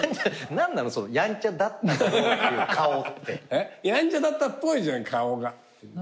何なのその「やんちゃだった顔」って。やんちゃだったっぽいじゃん顔が。